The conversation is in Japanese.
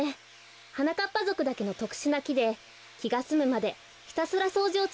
はなかっぱぞくだけのとくしゅなきできがすむまでひたすらそうじをつづけるようですよ。